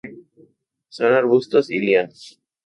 Son arbustos y lianas.